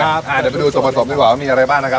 เดี๋ยวไปดูส่วนผสมดีกว่าว่ามีอะไรบ้างนะครับ